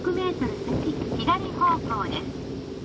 先左方向です」